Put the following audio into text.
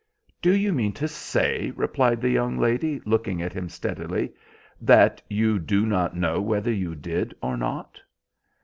"Do you mean to say," replied the young lady, looking at him steadily, "that you do not know whether you did or not?"